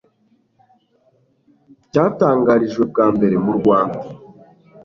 cyatangarijwe bwa mbere mu rwanda